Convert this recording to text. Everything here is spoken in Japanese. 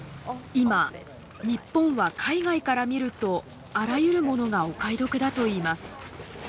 今日本は海外から見るとあらゆるものがお買い得だといいます。